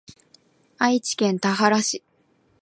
愛知県田原市